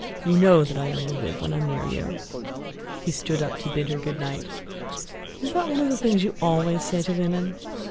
You know that I only live when I am near you." He stood up to bid her good night. "Is that one of the things you always say to women?"